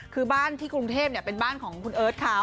คือบ้านที่กรุงเทพเป็นบ้านของคุณเอิร์ทเขา